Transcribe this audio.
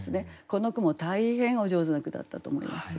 この句も大変お上手な句だったと思います。